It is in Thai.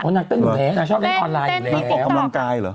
ออกกำลังกาย